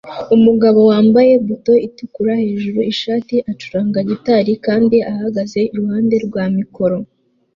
Umugabo wambaye buto itukura hejuru ishati acuranga gitari kandi ahagaze iruhande rwa mikoro